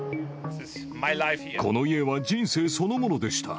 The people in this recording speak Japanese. この家は人生そのものでした。